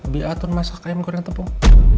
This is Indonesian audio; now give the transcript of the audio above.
biar aku masak ayam goreng tepung